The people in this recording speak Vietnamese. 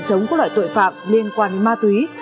chống các loại tội phạm liên quan đến ma túy